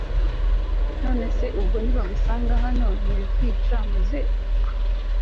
nonese ubwo nibagusanga hano wenyine ntibakwica muze